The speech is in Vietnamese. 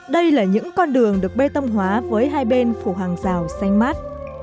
đây là những con đường được bê tông hóa với hai bên phủ hàng rào xanh mát